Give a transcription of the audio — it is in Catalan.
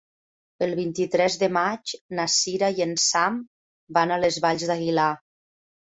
El vint-i-tres de maig na Sira i en Sam van a les Valls d'Aguilar.